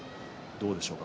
どうでしょうか？